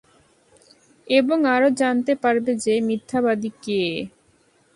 এবং আরও জানতে পারবে যে, মিথ্যাবাদী কে?